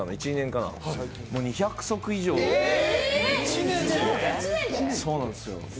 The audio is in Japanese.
２００足以上、そうなんですよ。